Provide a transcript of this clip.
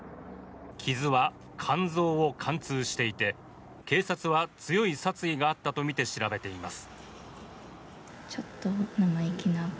傷は肝臓を貫通していて警察は強い殺意があったとみて調べています。